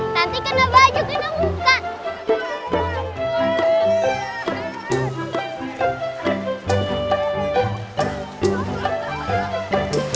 nanti kena baju kena muka